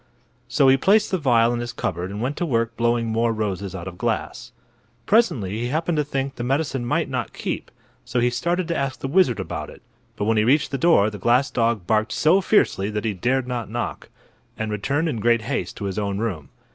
So he placed the vial in his cupboard and went to work blowing more roses out of glass. Presently he happened to think the medicine might not keep, so he started to ask the wizard about it. But when he reached the door the glass dog barked so fiercely that he dared not knock, and returned in great haste to his own room.